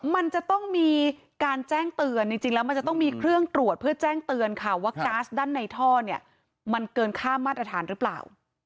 มันจะต้องมีการแจ้งเตือนจริงแล้วมันจะต้องมีเครื่องตรวจเพื่อแจ้งเตือนค่ะว่าก๊าซด้านในท่อเนี่ยมันเกินค่ามาตรฐานหรือเปล่า